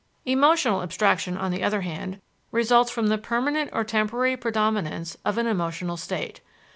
Emotional abstraction, on the other hand, results from the permanent or temporary predominance of an emotional state.